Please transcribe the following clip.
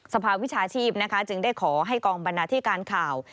ภาวิชาชีพนะคะจึงได้ขอให้กองบรรณาธิการข่าว